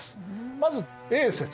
まずＡ説。